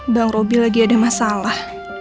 bang roby lagi ada masalah